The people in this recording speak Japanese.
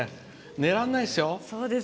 寝れないですよ。